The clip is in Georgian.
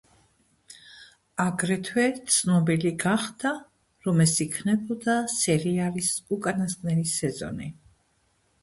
აგრეთვე ცნობილი გახდა, რომ ეს იქნებოდა სერიალის უკანასკნელი სეზონი.